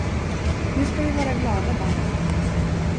Nu ska vi vara glada barn!